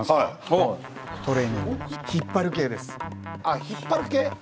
はいあっ引っ張る系？